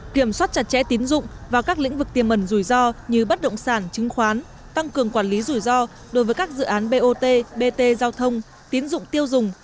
kiểm soát chặt chẽ tín dụng vào các lĩnh vực tiềm mẩn rủi ro như bất động sản chứng khoán tăng cường quản lý rủi ro đối với các dự án bot bt giao thông tín dụng tiêu dùng